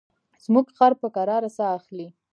زموږ خر په کراره ساه اخلي.